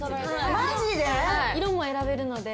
マジで⁉色も選べるので。